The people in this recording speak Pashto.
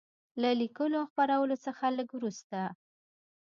له لیکلو او خپرولو څخه لږ وروسته.